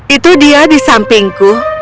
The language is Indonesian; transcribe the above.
itu dia di sampingku